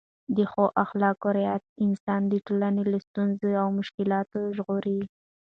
د ښو اخلاقو رعایت انسان د ټولنې له ستونزو او مشکلاتو ژغوري.